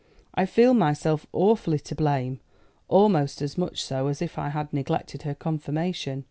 I feel myself awfully to blame almost as much so as if I had neglected her confirmation.